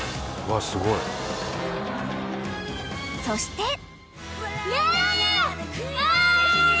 ［そして］